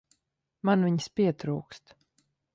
Man viņas pietrūkst.